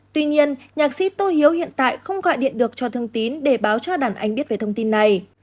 tuy nhiên nhạc sĩ tô hiếu hiện tại không gọi điện được cho thương tín để báo cho đàn anh biết về thông tin này